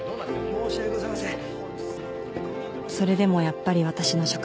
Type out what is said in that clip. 申し訳ございません